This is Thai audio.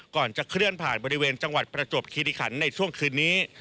ก่อนจะเคลื่อนผ่านบริเวณจังหวัดประจวบคิริขันในช่วงคืนนี้